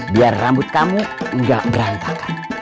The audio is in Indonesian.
biar rambut kamu nggak berantakan